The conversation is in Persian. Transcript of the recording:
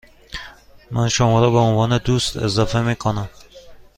من شما را به عنوان دوست اضافه می کنم.